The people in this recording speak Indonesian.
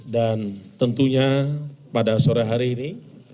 dan tentunya pada sore hari ini